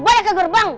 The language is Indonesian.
balik ke gerbang